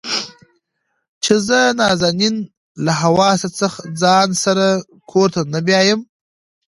چې زه نازنين له حواسه ځان سره کور ته نه بيايم.